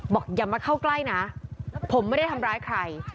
อย่ามาเข้าใกล้นะผมไม่ได้ทำร้ายใคร